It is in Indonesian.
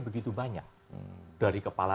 begitu banyak dari kepala